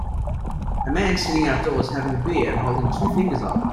A man sitting outdoors having a beer and holding two fingers up.